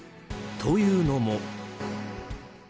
というのも。